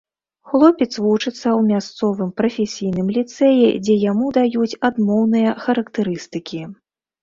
Хлопец вучыцца ў мясцовым прафесійным ліцэі, дзе яму даюць адмоўныя характарыстыкі.